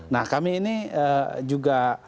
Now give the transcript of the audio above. nah kami ini juga